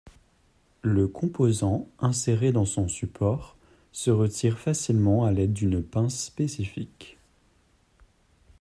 Le composant inséré dans son support se retire facilement à l'aide d'une pince spécifique.